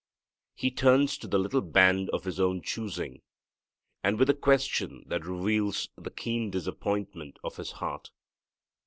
He turns to the little band of His own choosing, with a question that reveals the keen disappointment of His heart.